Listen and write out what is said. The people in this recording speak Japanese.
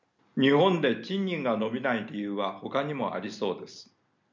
日本で賃金が伸びない理由はほかにもありそうです。